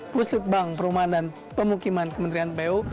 pusat bank perumahan dan pemukiman kementerian pu